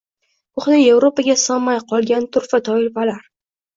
Ko‘hna Yevropaga sig‘may qolgan turfa toifalar